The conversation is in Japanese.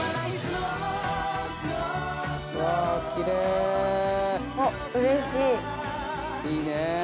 いいねぇ！